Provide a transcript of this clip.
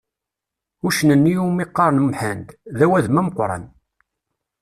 Uccen-nni iwmi qqaren Mḥend, d awadem ameqqran.